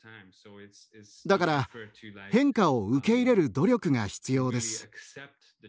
だから変化を受け入れる努力が必要です。